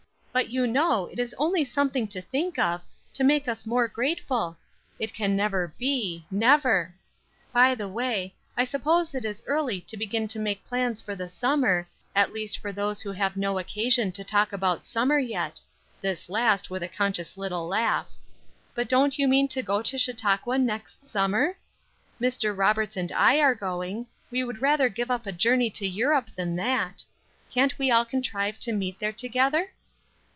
"But you know it is only something to think of, to make us more grateful. It can never be, never. By the way, I suppose it is early to begin to make plans for the summer, at least for those who have no occasion to talk about summer yet;" this last with a conscious little laugh "But don't you mean to go to Chautauqua next summer? Mr. Roberts and I are going; we would rather give up a journey to Europe than that. Can't we all contrive to meet there together?"